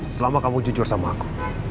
selama kamu jujur sama aku